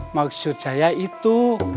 maksud saya itu